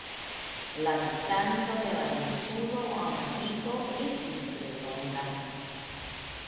La distanco de la Insulo al la digo estis tro longa.